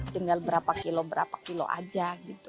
tinggal berapa kilo berapa kilo aja gitu